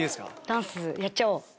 ダンスやっちゃおう。